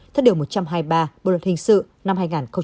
theo điều một trăm hai mươi ba bộ luật hình sự năm hai nghìn một mươi năm